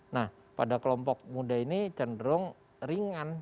nah pada kelompok muda ini cenderung ringan